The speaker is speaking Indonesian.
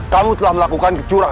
kamu telah melakukan yang terbaik